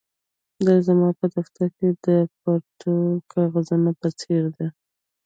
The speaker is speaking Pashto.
دا زما په دفتر کې د پرتو کاغذونو په څیر دي